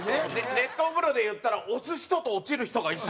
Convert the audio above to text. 熱湯風呂でいったら押す人と落ちる人が一緒。